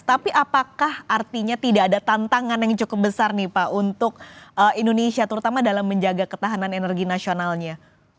tapi apakah artinya tidak ada tantangan yang cukup besar nih pak untuk indonesia terutama dalam menjaga ketahanan energi nasionalnya